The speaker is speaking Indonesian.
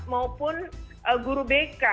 maupun guru bk